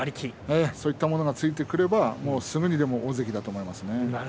そういったものがついてくればすぐにでも大関だと思いますね。